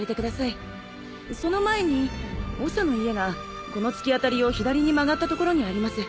その前におさの家がこの突き当たりを左に曲がった所にあります。